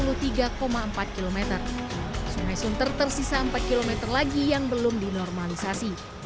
sungai sunter tersisa empat km lagi yang belum dinormalisasi